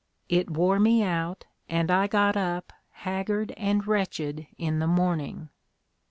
It wore me out and I got up haggard and wretched in the morning."